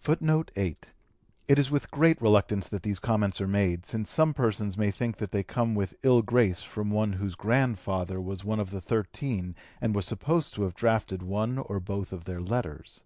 [Footnote 8: It is with great reluctance that these comments are made, since some persons may think that they come with ill grace from one whose grandfather was one of the thirteen and was supposed to have drafted one or both of their letters.